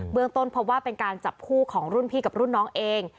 เมืองต้นพบว่าเป็นการจับคู่ของรุ่นพี่กับรุ่นน้องเอง